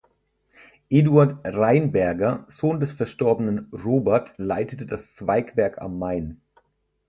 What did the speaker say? Eduard Rheinberger, Sohn des verstorbenen Robert, leitete das Zweigwerk am Main.